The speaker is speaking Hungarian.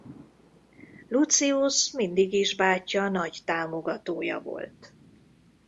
Lucius mindig is bátyja nagy támogatója volt.